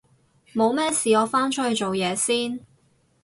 冇咩事我返出去做嘢先